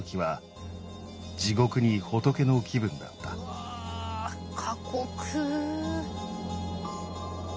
うわ過酷。